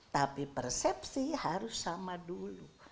tapi persepsi harus sama dulu